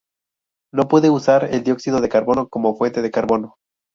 No puede usar dióxido de carbono como fuente de carbono.